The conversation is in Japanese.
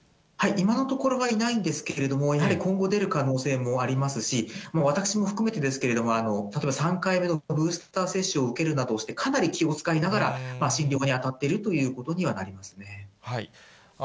今のところはいないんですけれども、やはり今後、出る可能性もありますし、私も含めてですけれども、例えば３回目のブースター接種を受けるなどして、かなり気を遣いながら、診療に当たっているということにはなりますね。